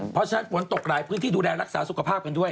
เพราะฉะนั้นฝนตกหลายพื้นที่ดูแลรักษาสุขภาพกันด้วย